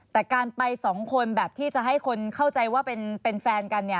แต่การไปสองคนแบบที่จะให้คนเข้าใจว่าเป็นแฟนกันเนี่ย